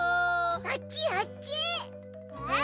あっちあっち！